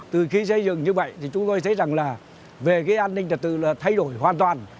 từ khi xây dựng như vậy thì chúng tôi thấy rằng là về cái an ninh trật tự là thay đổi hoàn toàn